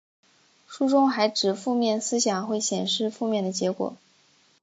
书中还指负面思想会显示负面的结果。